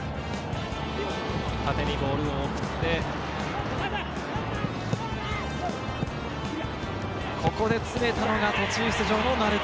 縦にボールを送って、ここで詰めたのが途中出場の鳴川。